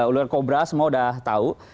ular kobra semua udah tahu